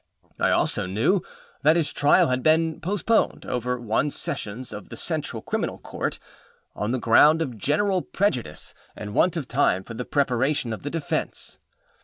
I also knew that his trial had been postponed over one Sessions of the Central Criminal Court, on the ground of general prejudice and want of time for the preparation of the defence.